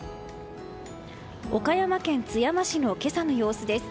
岡山県津山市の今朝の様子です。